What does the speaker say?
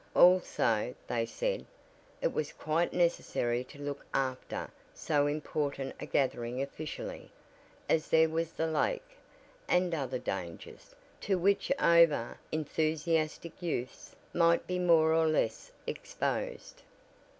Also, they said, it was quite necessary to look after so important a gathering officially, as there was the lake, and other dangers, to which over enthusiastic youths might be more or less exposed.